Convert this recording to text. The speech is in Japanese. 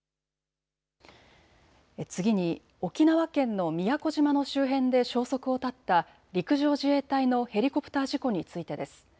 次に沖縄県の宮古島の周辺で消息を絶った陸上自衛隊のヘリコプター事故についてです。